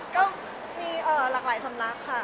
ก็มีหลากหลายสำนักค่ะ